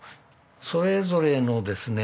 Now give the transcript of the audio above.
それぞれのですね